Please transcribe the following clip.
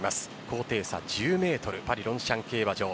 高低差１０ｍパリロンシャン競馬場。